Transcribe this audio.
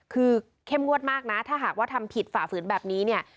คือเข้มงวดมากนะถ้าหากว่าทำผิดฝ่าฝืนแบบนี้เนี่ย